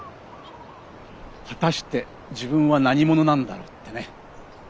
果たして自分は何者なんだろうってね。